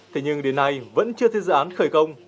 thế nhưng đến nay vẫn chưa thấy dự án khởi công